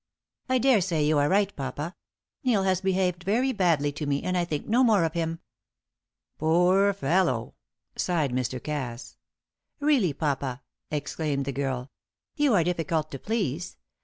"I daresay you are right, papa, Neil has behaved very badly to me, and I think no more of him." "Poor fellow," sighed Mr. Cass! "Really, papa," exclaimed the girl, "you are difficult to please.